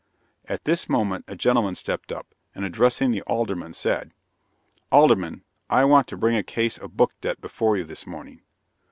At this moment, a gentleman stepped up, and addressing the Alderman, said: "Alderman, I want to bring a case of book debt before you this morning."